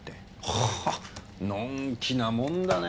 はあのんきなもんだね。